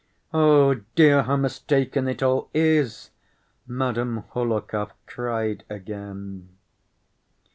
"Oh, dear, how mistaken it all is!" Madame Hohlakov cried again.